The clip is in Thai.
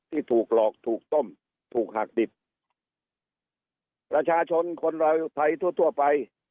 ที่ถูกหลอกถูกต้มถูกหักดิบประชาชนคนเราไทยทั่วทั่วไป